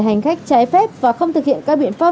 hành khách trái phép và không thực hiện các biện pháp